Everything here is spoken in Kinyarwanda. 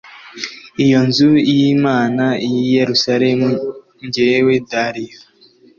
Iyo nzu y imana y i yerusalemu jyewe dariyo